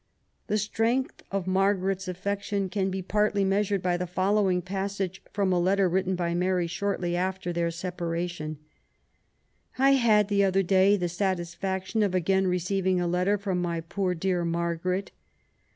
The strength of Margaret's affection can be partly measured by the following passage from a letter written by. Mary shortly after their separation :— I had, the other day, the satisfaction of again receiving a letter from my poor dear Margaret.